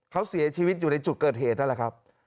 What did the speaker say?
เขาเสียชีวิตอยู่ในจุดเกิดเหตุนั่นแหละครับ